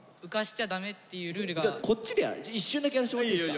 こっちで一瞬だけやらしてもらっていいですか？